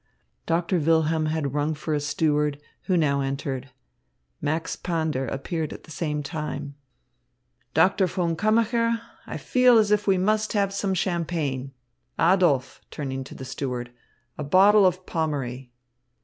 Doctor Wilhelm had rung for a steward, who now entered. Max Pander appeared at the same time. "Doctor von Kammacher, I feel as if we must have some champagne. Adolph," turning to the steward, "a bottle of Pommery."